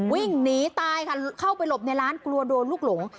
วิ่งหนีตายค่ะเข้าไปหลบในร้านกลัวโดนลูกหลง